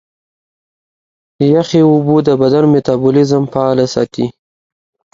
یخي اوبه د بدن میتابولیزم فعاله ساتي.